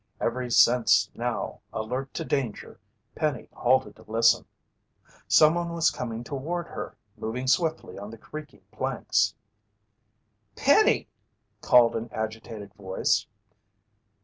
Every sense now alert to danger, Penny halted to listen. Someone was coming toward her, moving swiftly on the creaking planks. "Penny!" called an agitated voice.